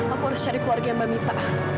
aku harus cari keluarga mbak mita